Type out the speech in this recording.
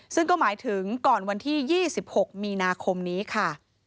ซึ่งก็หมายถึงก่อนวันที่๒๖มีนาคมนี้ค่ะ